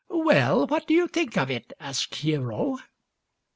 " Well, what do you think of it ?" asked Hiero.